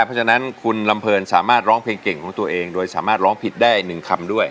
เพราะฉะนั้นคุณลำเพลินสามารถร้องเพลงเก่งของตัวเองโดยสามารถร้องผิดได้๑คำด้วย